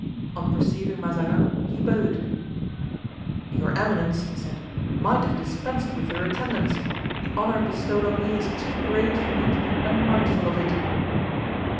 On perceiving Mazarin he bowed. "Your eminence," he said, "might have dispensed with your attendants; the honor bestowed on me is too great for me to be unmindful of it."